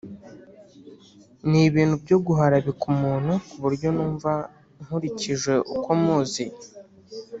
ni ibintu byo guharabika umuntu ku buryo numva nkurikije uko muzi